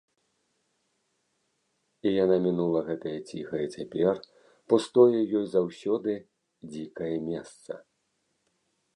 І яна мінула гэтае ціхае цяпер, пустое ёй заўсёды дзікае месца.